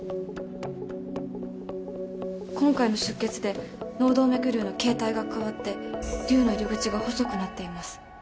今回の出血で脳動脈瘤の形態が変わって瘤の入り口が細くなっています。